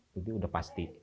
jadi udah pasti